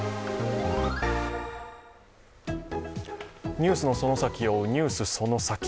ニュースのその先を追う「ＮＥＷＳそのサキ！」。